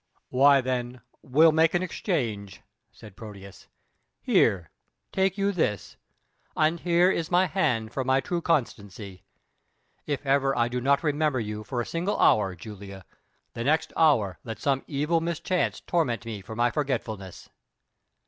"Why, then, we'll make an exchange," said Proteus. "Here, take you this. And here is my hand for my true constancy. If ever I do not remember you for a single hour, Julia, the next hour let some evil mischance torment me for my forgetfulness."